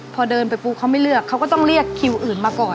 พอเดินไปปุ๊บเขาไม่เลือกเขาก็ต้องเรียกคิวอื่นมาก่อน